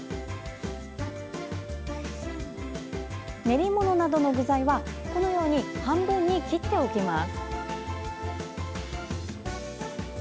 練り物などの具材はこのように半分に切っておきます。